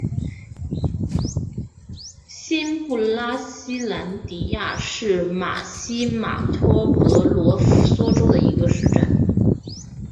新布拉西兰迪亚是巴西马托格罗索州的一个市镇。